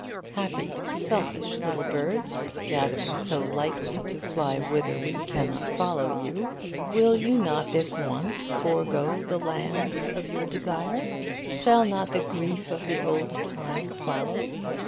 Happy, selfish little birds, gathering so lightly to fly whither we cannot follow you, will you not, this once, forgo the lands of your desire? 'Shall not the grief of the old time follow?'